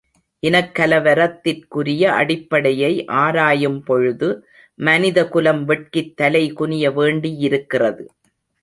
இனக்கலவரத்திற்குரிய அடிப்படையை ஆராயும்பொழுது மனித குலம் வெட்கித் தலைகுனிய வேண்டியிருக்கிறது.